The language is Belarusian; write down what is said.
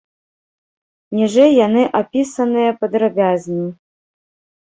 Ніжэй яны апісаныя падрабязней.